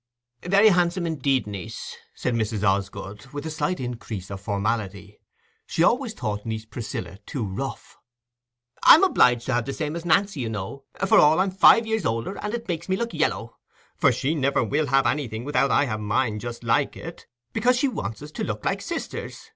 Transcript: "Very handsome indeed, niece," said Mrs. Osgood, with a slight increase of formality. She always thought niece Priscilla too rough. "I'm obliged to have the same as Nancy, you know, for all I'm five years older, and it makes me look yallow; for she never will have anything without I have mine just like it, because she wants us to look like sisters.